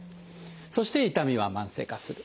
そして痛みは慢性化する。